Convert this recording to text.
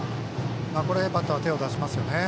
これバッターは手を出しますよね。